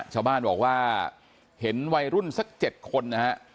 ชาวบ้านบอกว่าเห็นวัยรุ่นสัก๗คนนะฮะ